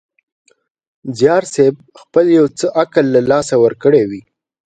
زیارصېب خپل یو څه عقل له لاسه ورکړی وي.